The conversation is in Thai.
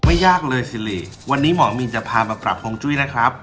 ยากเลยสิริวันนี้หมอมินจะพามาปรับฮวงจุ้ยนะครับ